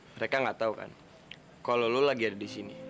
mereka nggak tahu kan kalau lo lagi ada di sini